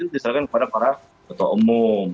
diserahkan kepada para ketua umum